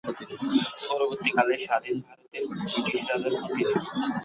পরবর্তী কালে স্বাধীন ভারতের ব্রিটিশ রাজার প্রতিনিধি।